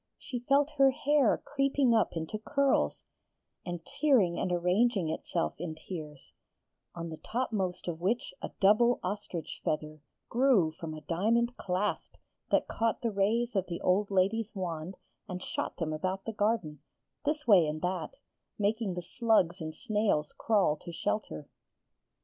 She felt her hair creeping up into curls, and tiring and arranging itself in tiers, on the topmost of which a double ostrich feather grew from a diamond clasp that caught the rays of the old lady's wand and shot them about the garden, this way and that, making the slugs and snails crawl to shelter.